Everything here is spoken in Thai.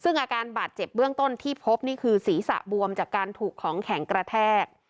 ซึ่งอาการบาดเจ็บเบื้องต้นที่พบนี่คือศีรษะบวมจากการถูกของแข็งกระแทก